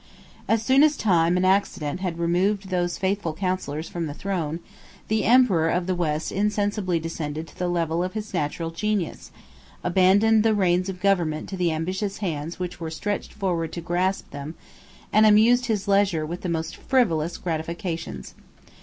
As soon as time and accident had removed those faithful counsellors from the throne, the emperor of the West insensibly descended to the level of his natural genius; abandoned the reins of government to the ambitious hands which were stretched forwards to grasp them; and amused his leisure with the most frivolous gratifications.